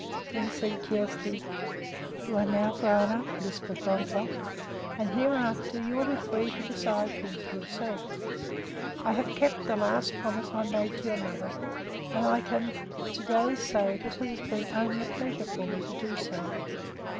Then said Kjersti: "You are now grown up, Lisbeth Longfrock, and hereafter you will be free to decide things for yourself. I have kept the last promise I made to your mother, and I can to day say that it has been only a pleasure for me to do so.